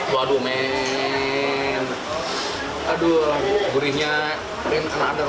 waduh men aduh gurihnya another level